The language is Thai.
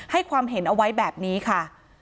ความเห็นเอาไว้แบบนี้ค่ะ